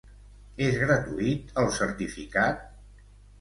És gratuït el certificat?